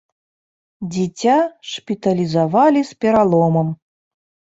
Дзіця шпіталізавалі з пераломам.